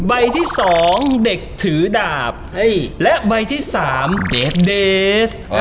ใบที่สองเด็กถือดาบอุ้ยและใบที่สามเด็กเดฟ